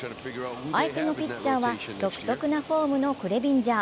相手のピッチャーは独特なフォームのクレビンジャー。